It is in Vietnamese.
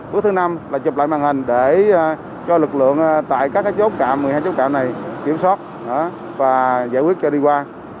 bước thứ năm là chụp lại màn hình để cho lực lượng tại các chốt trạm một mươi hai chốt trạm này kiểm soát và giải quyết cho đi qua